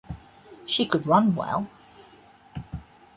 She could run well.